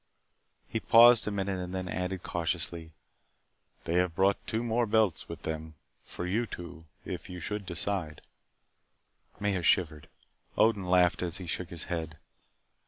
He paused a minute and then added cautiously, "They have brought two more belts with them. For you two, if you should decide " Maya shivered. Odin laughed, as he shook his head.